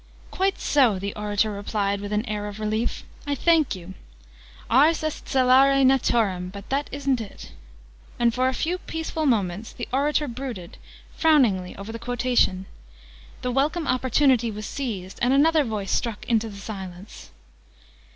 "Quite so!" the orator replied with an air of relief. "I thank you! Ars est celare Naturam but that isn't it." And, for a few peaceful moments, the orator brooded, frowningly, over the quotation. The welcome opportunity was seized, and another voice struck into the silence.